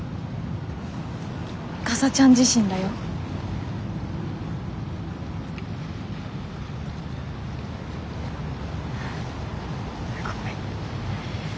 かさちゃん自身だよ。ごめん。